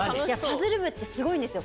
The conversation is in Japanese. パズル部ってすごいんですよ。